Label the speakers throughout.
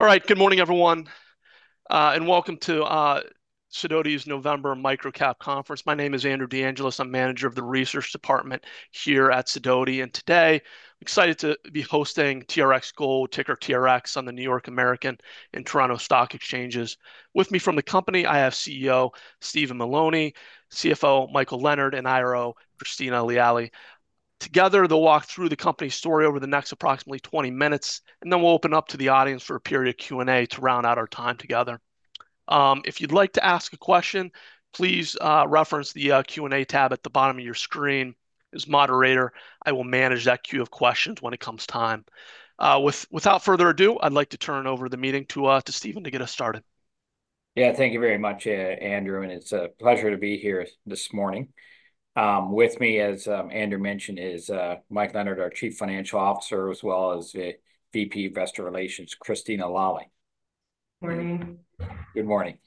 Speaker 1: All right, good morning, everyone, and welcome to Sidoti's November Micro-Cap Conference. My name is Andrew DeAngelis. I'm manager of the research department here at Sidoti, and today I'm excited to be hosting TRX Gold, ticker TRX, on the NYSE American and Toronto Stock Exchange. With me from the company, I have CEO Stephen Mullowney, CFO Michael Leonard, and IRO Christina Lalli. Together, they'll walk through the company story over the next approximately 20 minutes, and then we'll open up to the audience for a period of Q&A to round out our time together. If you'd like to ask a question, please reference the Q&A tab at the bottom of your screen as moderator. I will manage that queue of questions when it comes time. Without further ado, I'd like to turn the meeting over to Stephen to get us started.
Speaker 2: Yeah, thank you very much, Andrew, and it's a pleasure to be here this morning. With me, as Andrew mentioned, is Mike Leonard, our Chief Financial Officer, as well as VP Investor Relations, Christina Lalli.
Speaker 3: Good morning.
Speaker 2: Good morning.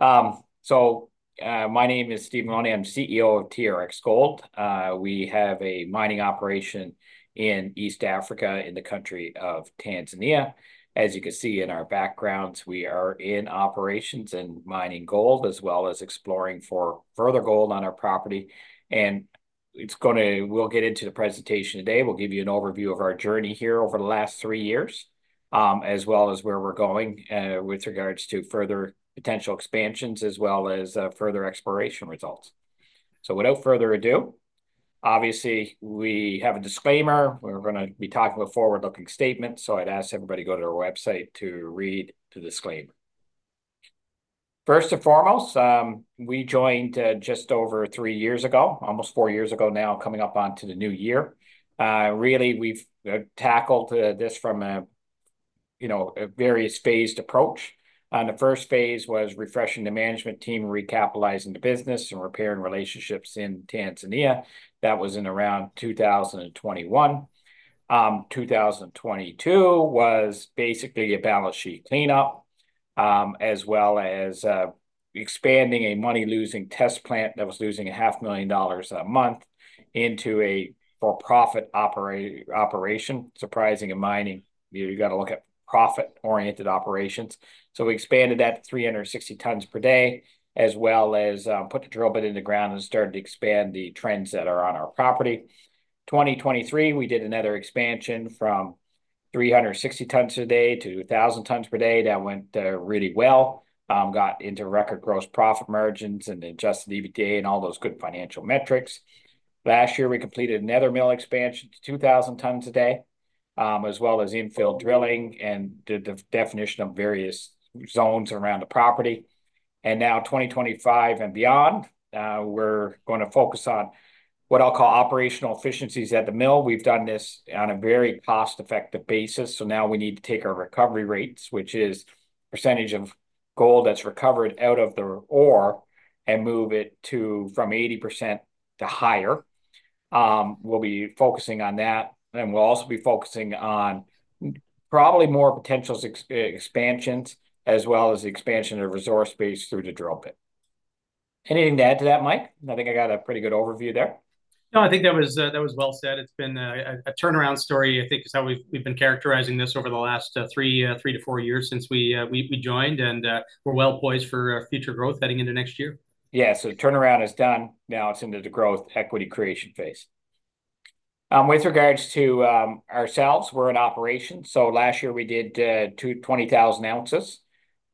Speaker 2: My name is Stephen Mullowney. I'm CEO of TRX Gold. We have a mining operation in East Africa, in the country of Tanzania. As you can see in our backgrounds, we are in operations and mining gold, as well as exploring for further gold on our property. We'll get into the presentation today. We'll give you an overview of our journey here over the last three years, as well as where we're going with regards to further potential expansions, as well as further exploration results. Without further ado, obviously, we have a disclaimer. We're going to be talking about forward-looking statements, so I'd ask everybody to go to our website to read the disclaimer. First and foremost, we joined just over three years ago, almost four years ago now, coming up onto the new year. Really, we've tackled this from a various phased approach. The first phase was refreshing the management team, recapitalizing the business, and repairing relationships in Tanzania. That was in around 2021. 2022 was basically a balance sheet cleanup, as well as expanding a money-losing test plant that was losing $500,000 a month into a for-profit operation. Surprising in mining, you got to look at profit-oriented operations. So we expanded that to 360 tons per day, as well as put the drill bit in the ground and started to expand the trends that are on our property. 2023, we did another expansion from 360 tons a day to 1,000 tons per day. That went really well. Got into record gross profit margins and adjusted EBITDA and all those good financial metrics. Last year, we completed another mill expansion to 2,000 tons a day, as well as infill drilling and the definition of various zones around the property. And now 2025 and beyond, we're going to focus on what I'll call operational efficiencies at the mill. We've done this on a very cost-effective basis. So now we need to take our recovery rates, which is the percentage of gold that's recovered out of the ore, and move it from 80% to higher. We'll be focusing on that, and we'll also be focusing on probably more potential expansions, as well as the expansion of resource base through the drill bit. Anything to add to that, Mike? I think I got a pretty good overview there.
Speaker 4: No, I think that was well said. It's been a turnaround story, I think, is how we've been characterizing this over the last three to four years since we joined, and we're well poised for future growth heading into next year.
Speaker 2: Yeah, so turnaround is done. Now it's into the growth equity creation phase. With regards to ourselves, we're an operation. So last year, we did 20,000 ounces,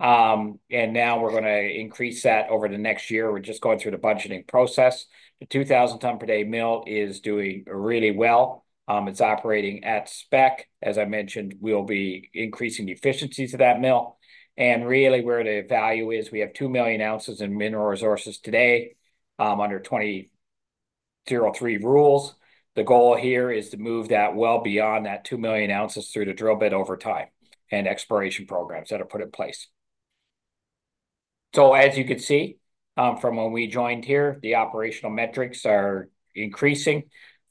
Speaker 2: and now we're going to increase that over the next year. We're just going through the budgeting process. The 2,000-ton-per-day mill is doing really well. It's operating at spec. As I mentioned, we'll be increasing the efficiencies of that mill. And really, where the value is, we have 2 million ounces in mineral resources today under 2003 rules. The goal here is to move that well beyond that 2 million ounces through the drill bit over time and exploration programs that are put in place. So as you can see from when we joined here, the operational metrics are increasing,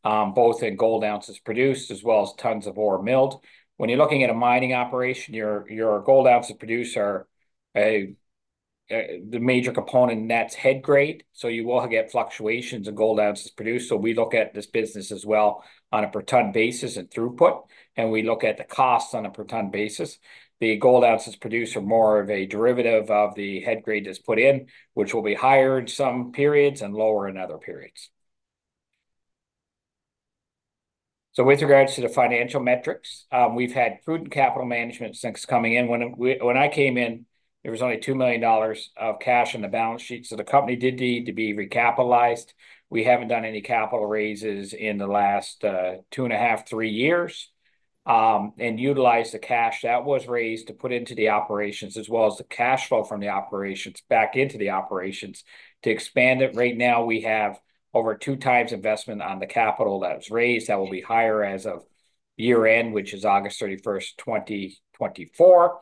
Speaker 2: both in gold ounces produced as well as tons of ore milled. When you're looking at a mining operation, your gold ounces produced are the major component that's head grade. So you will get fluctuations in gold ounces produced. So we look at this business as well on a per ton basis and throughput, and we look at the cost on a per ton basis. The gold ounces produced are more of a derivative of the head grade that's put in, which will be higher in some periods and lower in other periods. So with regards to the financial metrics, we've had prudent capital management since coming in. When I came in, there was only $2 million of cash on the balance sheet. So the company did need to be recapitalized. We haven't done any capital raises in the last two and a half, three years, and utilized the cash that was raised to put into the operations, as well as the cash flow from the operations back into the operations to expand it. Right now, we have over two times investment on the capital that was raised. That will be higher as of year-end, which is August 31st, 2024.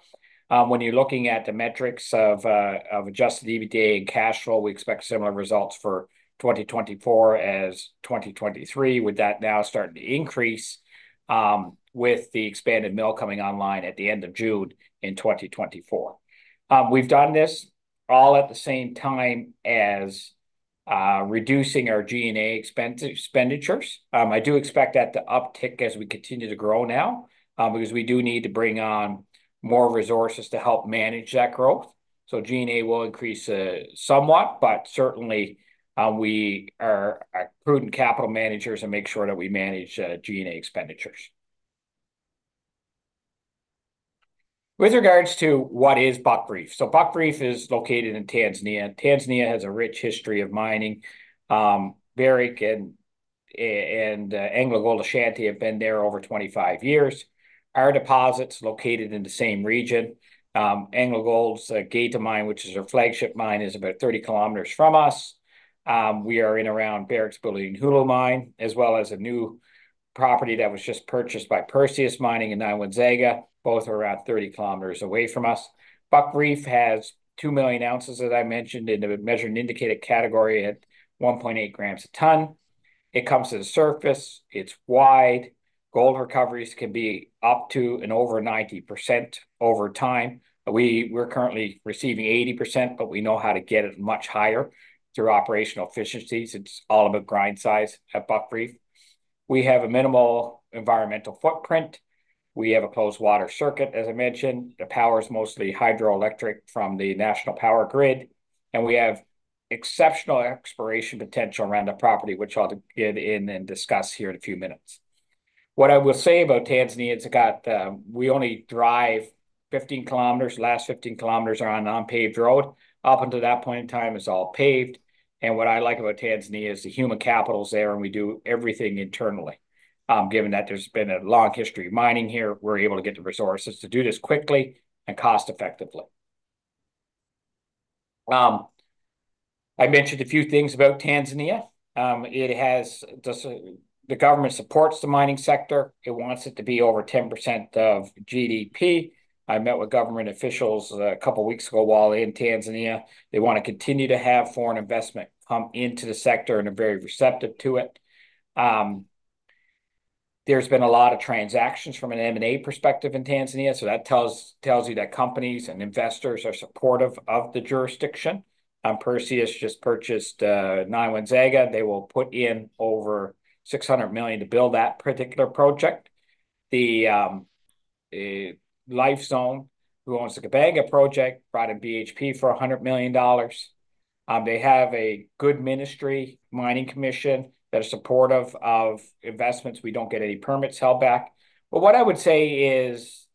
Speaker 2: When you're looking at the metrics of Adjusted EBITDA and cash flow, we expect similar results for 2024 as 2023, with that now starting to increase with the expanded mill coming online at the end of June in 2024. We've done this all at the same time as reducing our G&A expenditures. I do expect that to uptick as we continue to grow now because we do need to bring on more resources to help manage that growth. So G&A will increase somewhat, but certainly, we are prudent capital managers and make sure that we manage G&A expenditures. With regards to what is Buckreef? So Buckreef is located in Tanzania. Tanzania has a rich history of mining. Barrick and AngloGold Ashanti have been there over 25 years. Our deposit's located in the same region. AngloGold's Geita Gold Mine, which is our flagship mine, is about 30 km from us. We are in around Barrick's Bulyanhulu Mine, as well as a new property that was just purchased by Perseus Mining in Nyanzaga. Both are about 30 km away from us. Buckreef has 2 million ounces, as I mentioned, in the Measured and Indicated category at 1.8 grams a ton. It comes to the surface. It's wide. Gold recoveries can be up to and over 90% over time. We're currently receiving 80%, but we know how to get it much higher through operational efficiencies. It's all about grind size at Buckreef. We have a minimal environmental footprint. We have a closed water circuit, as I mentioned. The power is mostly hydroelectric from the national power grid. And we have exceptional exploration potential around the property, which I'll get in and discuss here in a few minutes. What I will say about Tanzania is we only drive 15 km. The last 15 km are on unpaved road. Up until that point in time, it's all paved. And what I like about Tanzania is the human capital's there, and we do everything internally. Given that there's been a long history of mining here, we're able to get the resources to do this quickly and cost-effectively. I mentioned a few things about Tanzania. The government supports the mining sector. It wants it to be over 10% of GDP. I met with government officials a couple of weeks ago while in Tanzania. They want to continue to have foreign investment come into the sector, and they're very receptive to it. There's been a lot of transactions from an M&A perspective in Tanzania. So that tells you that companies and investors are supportive of the jurisdiction. Perseus just purchased Nyanzaga. They will put in over $600 million to build that particular project. The Lifezone, who owns the Kabanga project, brought in BHP for $100 million. They have a good Mining Commission that is supportive of investments. We don't get any permits held back. But what I would say is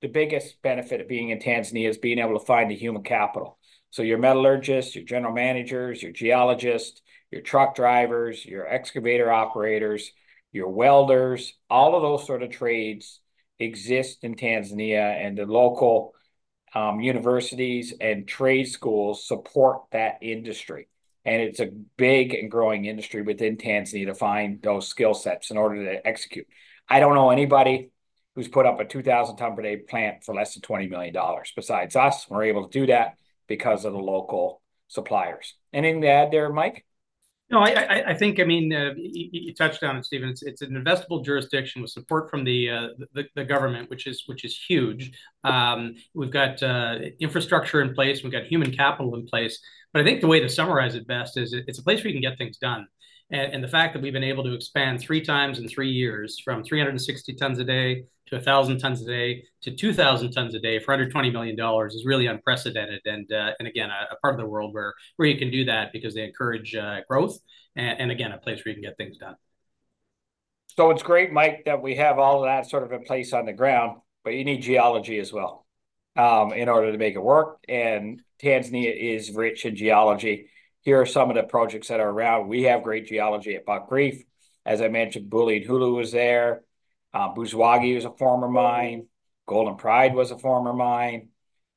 Speaker 2: the biggest benefit of being in Tanzania is being able to find the human capital. Your metallurgists, your general managers, your geologists, your truck drivers, your excavator operators, your welders, all of those sort of trades exist in Tanzania, and the local universities and trade schools support that industry. It's a big and growing industry within Tanzania to find those skill sets in order to execute. I don't know anybody who's put up a 2,000-ton per day plant for less than $20 million besides us. We're able to do that because of the local suppliers. Anything to add there, Mike?
Speaker 4: No, I think, I mean, you touched on it, Stephen. It's an investable jurisdiction with support from the government, which is huge. We've got infrastructure in place. We've got human capital in place. But I think the way to summarize it best is it's a place where you can get things done. And the fact that we've been able to expand three times in three years from 360 tons a day to 1,000 tons a day to 2,000 tons a day for under $20 million is really unprecedented. And again, a part of the world where you can do that because they encourage growth and, again, a place where you can get things done.
Speaker 2: So it's great, Mike, that we have all of that sort of in place on the ground, but you need geology as well in order to make it work. And Tanzania is rich in geology. Here are some of the projects that are around. We have great geology at Buckreef. As I mentioned, Bulyanhulu was there. Buzwagi was a former mine. Golden Pride was a former mine.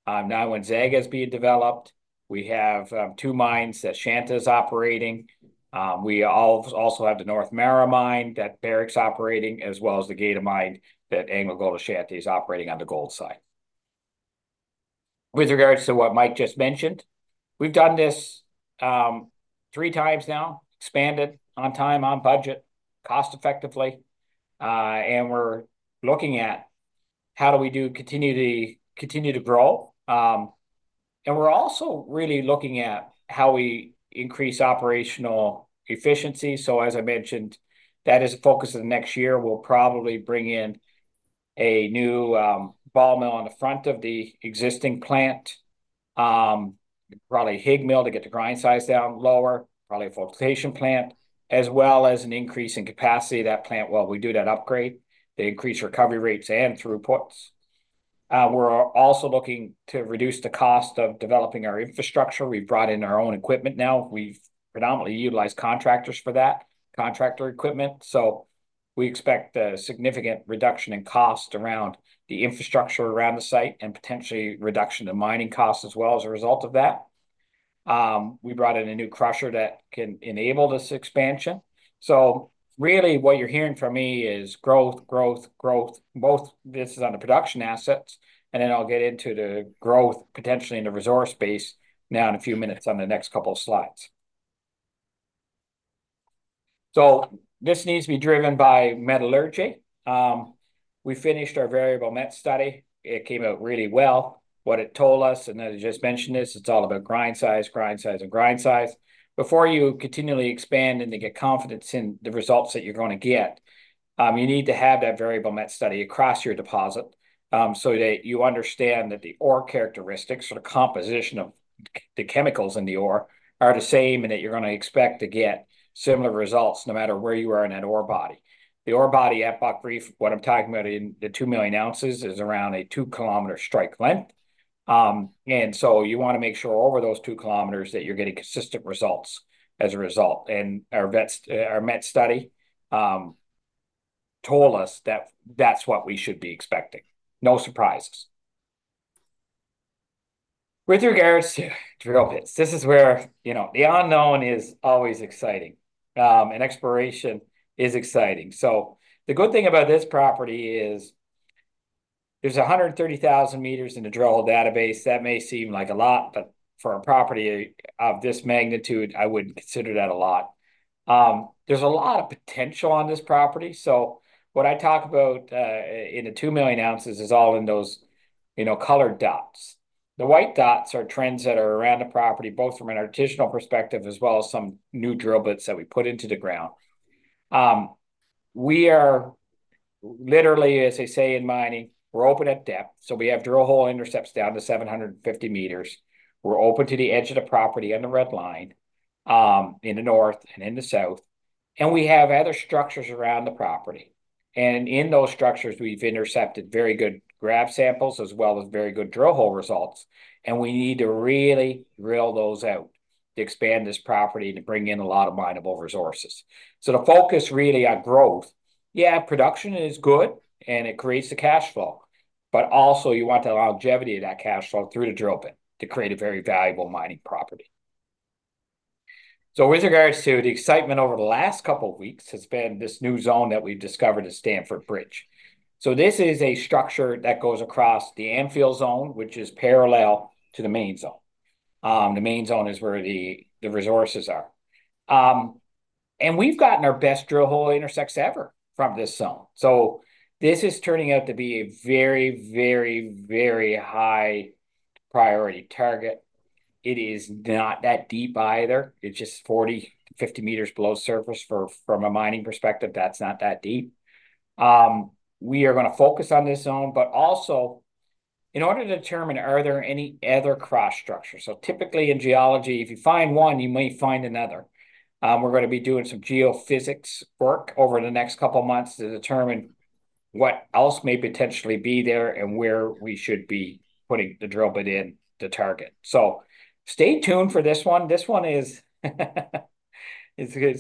Speaker 2: Nyanzaga is being developed. We have two mines that Shanta is operating. We also have the North Mara mine that Barrick's operating, as well as the Geita Mine that AngloGold Ashanti is operating on the gold side. With regards to what Mike just mentioned, we've done this three times now, expanded on time, on budget, cost-effectively. And we're looking at how do we continue to grow. And we're also really looking at how we increase operational efficiency. So, as I mentioned, that is the focus of the next year. We'll probably bring in a new ball mill on the front of the existing plant, probably a HIGmill to get the grind size down lower, probably a flotation plant, as well as an increase in capacity of that plant while we do that upgrade, the increased recovery rates and throughputs. We're also looking to reduce the cost of developing our infrastructure. We've brought in our own equipment now. We've predominantly utilized contractors for that contractor equipment. So we expect a significant reduction in cost around the infrastructure around the site and potentially reduction in mining costs as well as a result of that. We brought in a new crusher that can enable this expansion. So really, what you're hearing from me is growth, growth, growth. But this is on the production assets, and then I'll get into the growth potentially in the resource base now in a few minutes on the next couple of slides. So this needs to be driven by metallurgy. We finished our variable met study. It came out really well. What it told us, and I just mentioned this, it's all about grind size, grind size, and grind size. Before you continually expand and get confidence in the results that you're going to get, you need to have that variable met study across your deposit so that you understand that the ore characteristics or the composition of the chemicals in the ore are the same and that you're going to expect to get similar results no matter where you are in that ore body. The ore body at Buckreef, what I'm talking about in the 2 million ounces, is around a 2-kilometer strike length, and so you want to make sure over those 2 kilometers that you're getting consistent results as a result, and our met study told us that that's what we should be expecting. No surprises. With regards to drill bits, this is where the unknown is always exciting, and exploration is exciting, so the good thing about this property is there's 130,000 meters in the drill hole database. That may seem like a lot, but for a property of this magnitude, I wouldn't consider that a lot. There's a lot of potential on this property, so what I talk about in the 2 million ounces is all in those colored dots. The white dots are trends that are around the property, both from an artisanal perspective as well as some new drill holes that we put into the ground. We are literally, as they say in mining, we're open at depth. So we have drill hole intercepts down to 750 meters. We're open to the edge of the property on the red line in the north and in the south. And we have other structures around the property. And in those structures, we've intercepted very good grab samples as well as very good drill hole results. And we need to really drill those out to expand this property and to bring in a lot of minable resources. So the focus really on growth, yeah, production is good, and it creates the cash flow. But also, you want the longevity of that cash flow through the drill bit to create a very valuable mining property. So with regards to the excitement over the last couple of weeks, it's been this new zone that we've discovered at Stamford Bridge. So this is a structure that goes across the Anfield Zone, which is parallel to the Main Zone. The Main Zone is where the resources are. And we've gotten our best drill hole intercepts ever from this zone. So this is turning out to be a very, very, very high priority target. It is not that deep either. It's just 40-50 meters below surface from a mining perspective. That's not that deep. We are going to focus on this zone, but also in order to determine are there any other cross structures. So typically in geology, if you find one, you may find another. We're going to be doing some geophysics work over the next couple of months to determine what else may potentially be there and where we should be putting the drill bit in to target. So stay tuned for this one. This one has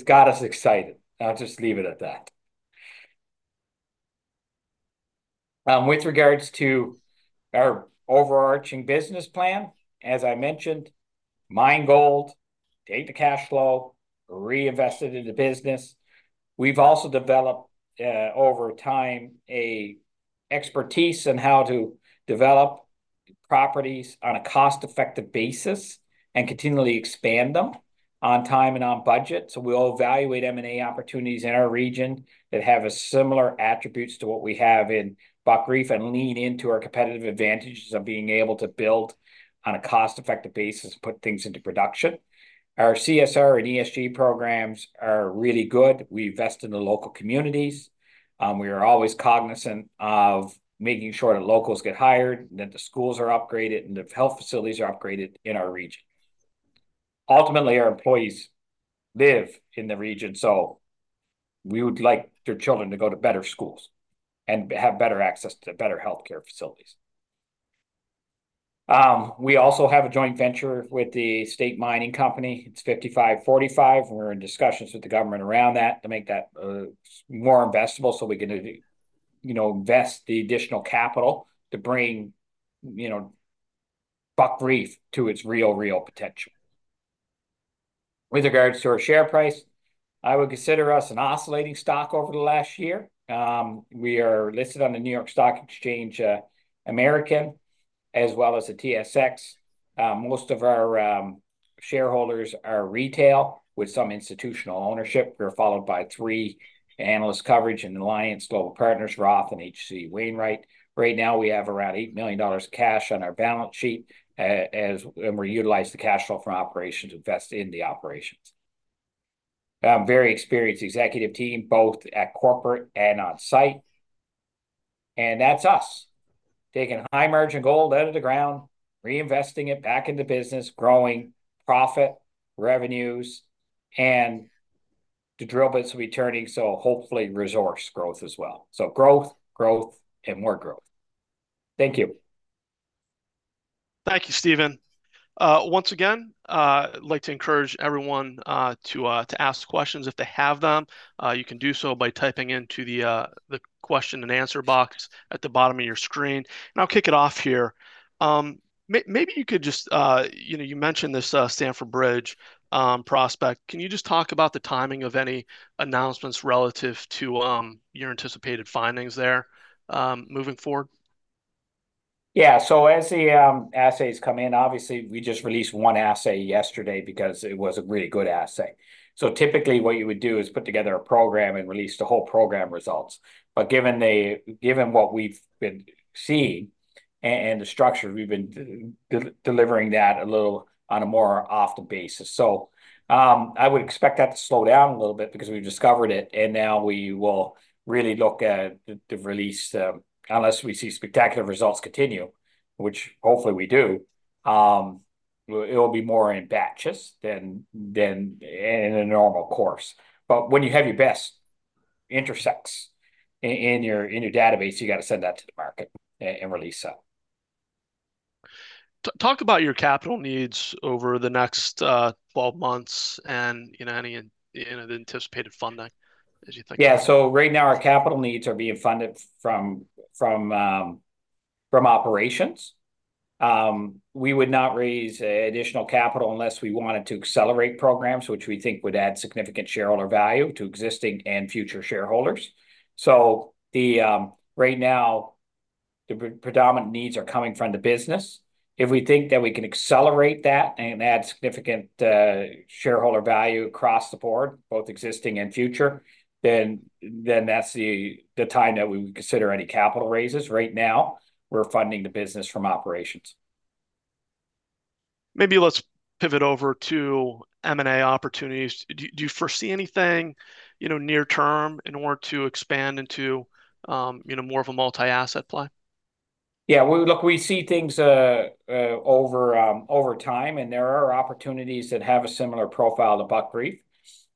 Speaker 2: got us excited. I'll just leave it at that. With regards to our overarching business plan, as I mentioned, mine gold, take the cash flow, reinvest it into business. We've also developed over time an expertise in how to develop properties on a cost-effective basis and continually expand them on time and on budget. So we'll evaluate M&A opportunities in our region that have similar attributes to what we have in Buckreef and lean into our competitive advantages of being able to build on a cost-effective basis and put things into production. Our CSR and ESG programs are really good. We invest in the local communities. We are always cognizant of making sure that locals get hired, that the schools are upgraded, and the health facilities are upgraded in our region. Ultimately, our employees live in the region, so we would like their children to go to better schools and have better access to better healthcare facilities. We also have a joint venture with the state mining company. It's 55-45. We're in discussions with the government around that to make that more investable so we can invest the additional capital to bring Buckreef to its real, real potential. With regards to our share price, I would consider us an oscillating stock over the last year. We are listed on the NYSE American as well as the TSX. Most of our shareholders are retail with some institutional ownership. We're followed by three analysts coverage in Alliance Global Partners, Roth, and H.C. Wainwright. Right now, we have around $8 million cash on our balance sheet, and we're utilizing the cash flow from operations to invest in the operations. Very experienced executive team, both at corporate and on site, and that's us taking high-margin gold out of the ground, reinvesting it back into business, growing profit revenues, and the drill bits will be turning, so hopefully resource growth as well, so growth, growth, and more growth. Thank you.
Speaker 1: Thank you, Stephen. Once again, I'd like to encourage everyone to ask questions if they have them. You can do so by typing into the question and answer box at the bottom of your screen. And I'll kick it off here. Maybe you could just, you mentioned this Stamford Bridge prospect. Can you just talk about the timing of any announcements relative to your anticipated findings there moving forward?
Speaker 2: Yeah. So as the assays come in, obviously, we just released one assay yesterday because it was a really good assay. So typically, what you would do is put together a program and release the whole program results. But given what we've been seeing and the structure, we've been delivering that a little on a more off the basis. So I would expect that to slow down a little bit because we've discovered it. And now we will really look at the release unless we see spectacular results continue, which hopefully we do. It will be more in batches than in a normal course. But when you have your best intercepts in your database, you got to send that to the market and release that.
Speaker 1: Talk about your capital needs over the next 12 months and any anticipated funding as you think.
Speaker 2: Yeah, so right now, our capital needs are being funded from operations. We would not raise additional capital unless we wanted to accelerate programs, which we think would add significant shareholder value to existing and future shareholders. So right now, the predominant needs are coming from the business. If we think that we can accelerate that and add significant shareholder value across the board, both existing and future, then that's the time that we would consider any capital raises. Right now, we're funding the business from operations.
Speaker 1: Maybe let's pivot over to M&A opportunities. Do you foresee anything near-term in order to expand into more of a multi-asset play?
Speaker 2: Yeah. Look, we see things over time, and there are opportunities that have a similar profile to Buckreef.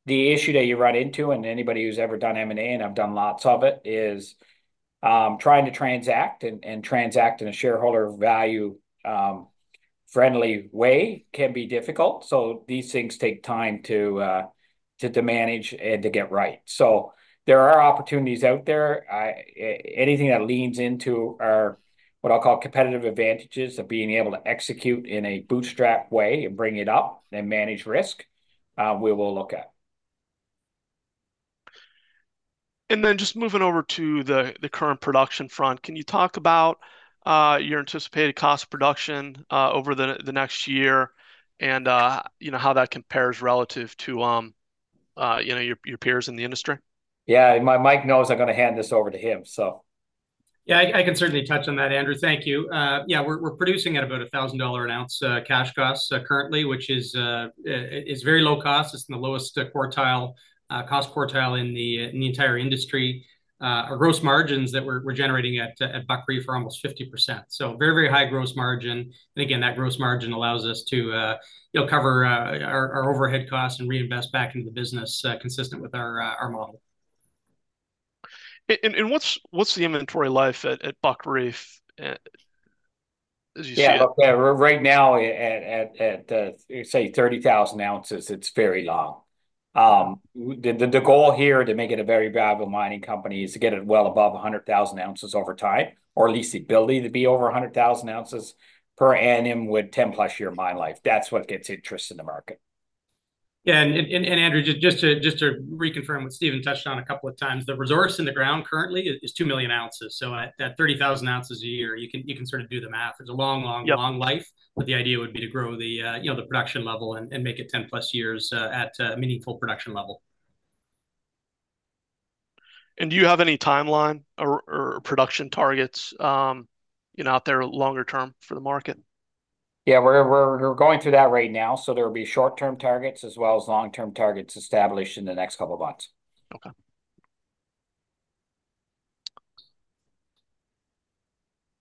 Speaker 2: The issue that you run into, and anybody who's ever done M&A, and I've done lots of it, is trying to transact and transact in a shareholder-value-friendly way can be difficult. So these things take time to manage and to get right. So there are opportunities out there. Anything that leans into our what I'll call competitive advantages of being able to execute in a bootstrap way and bring it up and manage risk, we will look at.
Speaker 1: Just moving over to the current production front, can you talk about your anticipated cost of production over the next year and how that compares relative to your peers in the industry?
Speaker 2: Yeah. Mike knows I'm going to hand this over to him, so.
Speaker 4: Yeah. I can certainly touch on that, Andrew. Thank you. Yeah. We're producing at about $1,000 an ounce cash costs currently, which is very low cost. It's the lowest cost quartile in the entire industry. Our gross margins that we're generating at Buckreef are almost 50%. So very, very high gross margin. And again, that gross margin allows us to cover our overhead costs and reinvest back into the business consistent with our model.
Speaker 1: What's the inventory life at Buckreef, as you see it?
Speaker 2: Yeah. Look, right now, at, say, 30,000 ounces, it's very long. The goal here to make it a very viable mining company is to get it well above 100,000 ounces over time, or at least the ability to be over 100,000 ounces per annum with 10-plus year mine life. That's what gets interest in the market.
Speaker 4: Yeah. And Andrew, just to reconfirm what Stephen touched on a couple of times, the resource in the ground currently is 2 million ounces. So at 30,000 ounces a year, you can sort of do the math. It's a long, long, long life. But the idea would be to grow the production level and make it 10-plus years at a meaningful production level.
Speaker 1: Do you have any timeline or production targets out there longer term for the market?
Speaker 2: Yeah. We're going through that right now. So there will be short-term targets as well as long-term targets established in the next couple of months.
Speaker 1: Okay.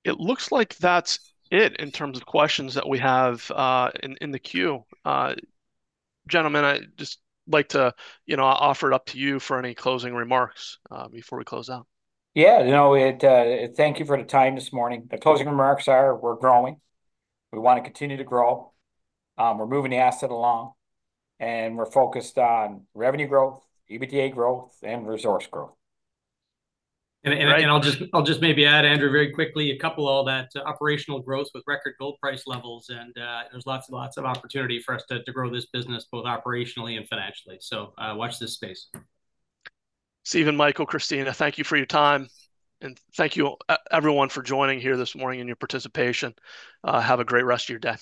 Speaker 1: It looks like that's it in terms of questions that we have in the queue. Gentlemen, I'd just like to offer it up to you for any closing remarks before we close out.
Speaker 2: Yeah. Thank you for the time this morning. The closing remarks are, we're growing. We want to continue to grow. We're moving the asset along. And we're focused on revenue growth, EBITDA growth, and resource growth.
Speaker 4: I'll just maybe add, Andrew, very quickly, a couple of all that operational growth with record gold price levels. There's lots and lots of opportunity for us to grow this business both operationally and financially. Watch this space.
Speaker 1: Stephen, Michael, Christina, thank you for your time. And thank you, everyone, for joining here this morning and your participation. Have a great rest of your day.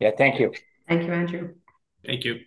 Speaker 2: Yeah. Thank you.
Speaker 3: Thank you, Andrew.
Speaker 4: Thank you.